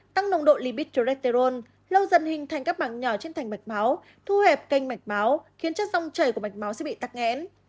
tăng nồng độ lipid toresterol lâu dần hình thành các bảng nhỏ trên thành mạch máu thu hẹp kênh mạch máu khiến chất song chảy của mạch máu sẽ bị tắc nghẽn